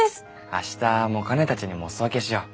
明日もか姉たちにもお裾分けしよう。